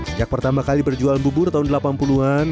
sejak pertama kali berjualan bubur tahun delapan puluh an